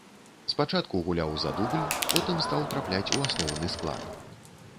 Спачатку гуляў за дубль, потым стаў трапляць у асноўны склад.